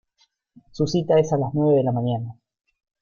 Su cita es a las nueve de la mañana.